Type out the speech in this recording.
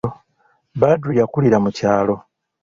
Badru yakulira mu kyalo.